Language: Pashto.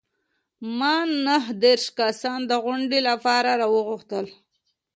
ما نهه دیرش کسان د غونډې لپاره راوغوښتل.